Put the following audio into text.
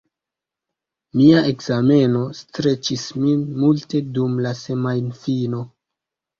Mia ekzameno streĉis min multe dum la semajnfino.